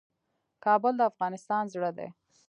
کابل د افغانستان زړه دی